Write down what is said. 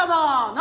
何？